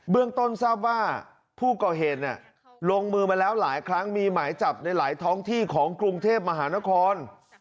เรื่องต้นทราบว่าผู้ก่อเหตุลงมือมาแล้วหลายครั้งมีหมายจับในหลายท้องที่ของกรุงเทพมหานคร